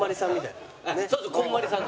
そうそうこんまりさん。